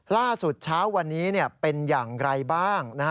ล่าสุดเช้าวันนี้เป็นอย่างไรบ้าง